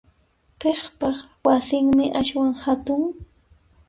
Piqpa wasinmi aswan hatun?